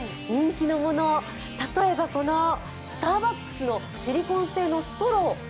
人気のもの、例えばこのスターバックスのシリコン製のストロー。